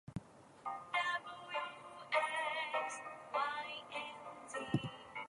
This flag is always "cleared", except during the collection cycle.